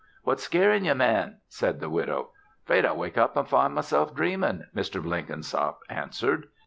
"What's scairin' ye, man?" said the widow. "'Fraid I'll wake up an' find myself dreamin'," Mr. Blenkinsop answered.